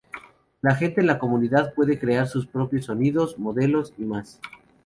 La gente en la comunidad puede crear sus propios sonidos, modelos, y más.